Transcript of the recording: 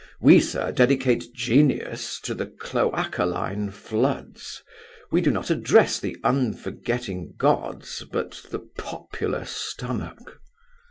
We, sir, dedicate genius to the cloacaline floods. We do not address the unforgetting gods, but the popular stomach."